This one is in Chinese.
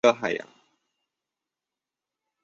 塑料垃圾已经飘至每一个海洋。